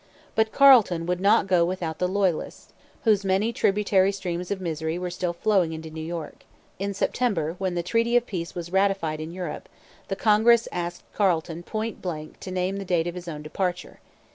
But Carleton would not go without the Loyalists, whose many tributary streams of misery were still flowing into New York. In September, when the treaty of peace was ratified in Europe, the Congress asked Carleton point blank to name the date of his own departure.